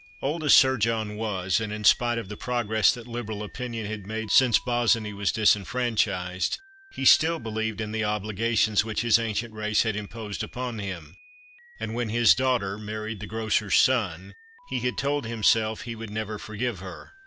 Old as Sir John was, and in spite of the progress that Liberal opinion had made since Bossiny was disfranchised, he still believed in the obligations which his ancient race had imposed upon him ; and when his daughter married the grocer's son, he had told himself that he would never forgive her.